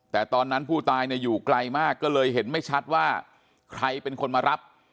แต่ตอนนั้นผู้ตายเนี่ยอยู่ไกลมากก็เลยเห็นไม่ชัดว่าใครเป็นคนมารับ